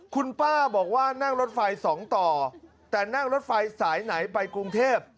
คุณป้าบอกว่านั่งรถไฟสองต่อแต่นั่งรถไฟสายไหนไปกรุงเทพ